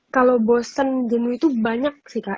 kalau bosen jemu itu banyak sih kak